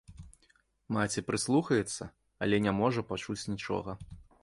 Маці прыслухаецца, але не можа пачуць нічога.